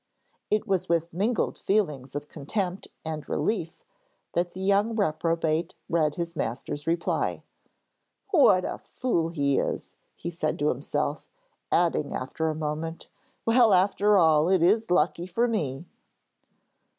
It was with mingled feelings of contempt and relief that the young reprobate read his master's reply. 'What a fool he is!' he said to himself, adding after a moment 'Well, after all, it is lucky for me!'